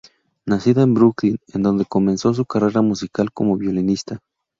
Nacida en Brooklyn, en donde comenzó su carrera musical como violinista.